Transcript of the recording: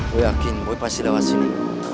gue yakin gue pasti lewat sini